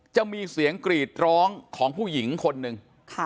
จะมีเสียงกรีดร้องของผู้หญิงคนหนึ่ง